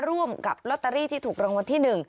ร่วมกับลอตเตอรี่ที่ถูกรางวัลที่๑